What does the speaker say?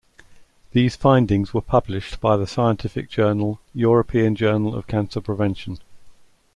These findings were published by the scientific journal European Journal of Cancer Prevention.